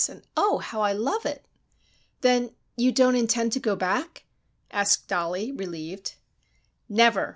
And oh, how I love it!" "Then you don't intend to go back?" asked Dollie, relieved. "Never!"